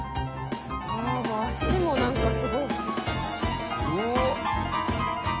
足も何かすごい。